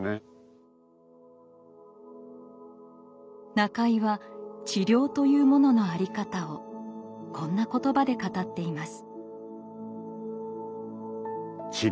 中井は治療というものの在り方をこんな言葉で語っています。